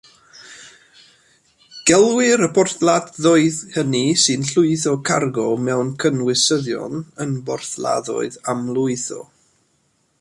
Gelwir y porthladdoedd hynny sy'n llwytho cargo mewn cynwysyddion yn borthladdoedd amlwytho.